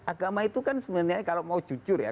agama itu kan sebenarnya kalau mau jujur ya